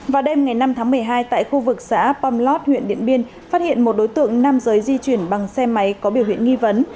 vào đêm ngày năm tháng một mươi hai tại khu vực xã pomlot huyện điện biên phát hiện một đối tượng nam giới di chuyển bằng xe máy có biểu hiện nghi vấn